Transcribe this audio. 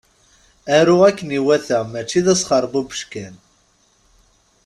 Aru akken iwata mačči d asxerbubec kan!